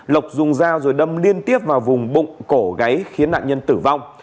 lộc dùng dao rồi đâm liên tiếp vào vùng bụng cổ gáy khiến nạn nhân tử vong